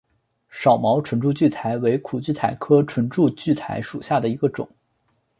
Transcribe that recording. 少毛唇柱苣苔为苦苣苔科唇柱苣苔属下的一个种。